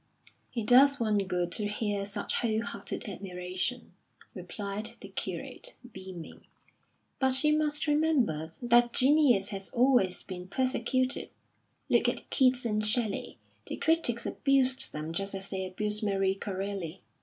"It does one good to hear such whole hearted admiration," replied the curate, beaming. "But you must remember that genius has always been persecuted. Look at Keats and Shelley. The critics abused them just as they abuse Marie Corelli.